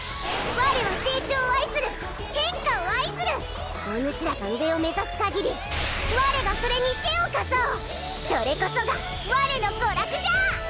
我は成長を愛する変化を愛するおぬしらが上を目指す限り我がそれに手を貸そうそれこそが我の娯楽じゃ！